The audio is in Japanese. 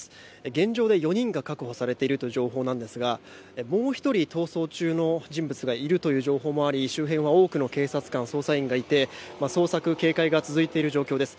現状で４人が確保されているという情報なんですがもう１人、逃走中の人物がいるという情報もあり周辺は多くの警察官捜査員がいて捜索・警戒が続いている状況です。